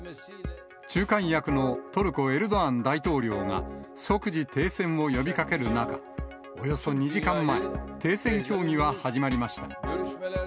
仲介役のトルコ、エルドアン大統領が即時停戦を呼びかける中、およそ２時間前、停戦協議は始まりました。